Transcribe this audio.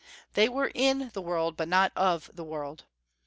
They were in the world but not of the world.